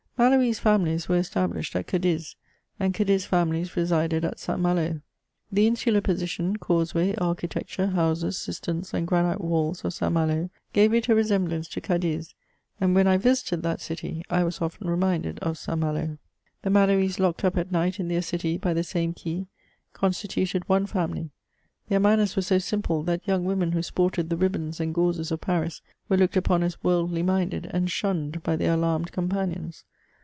Maloese families were established at Cadiz, and Cadiz families resided at St. Malo. The insular position, causeway, architecture, houses, cisterns, and granite walls of St. Malo, gave it a resemblance to Cadiz ; and, when I visited that city, I was often reminded of St. Malo. The Maloese locked up at night in their city by the same key, constituted one family. Their manners were so simple, that young women who sported the ribbons and gauzes of Paris were looked upon as worldly minded, and shunned by their alarmed companions.